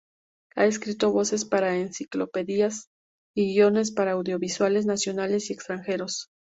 Ha escrito voces para enciclopedias y guiones para audiovisuales nacionales y extranjeros.